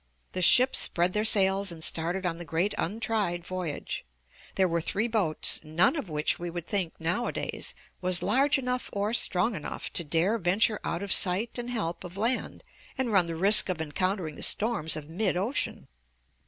The ships spread their sails and started on the great untried voyage. There were three boats, none of which we would think, nowadays, was large enough or strong enough to dare venture out of sight and help of land and run the risk of encount ering the storms of mid ocean.